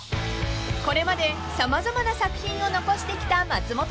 ［これまで様々な作品を残してきた松本さん］